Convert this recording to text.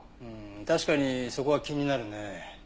うーん確かにそこは気になるね。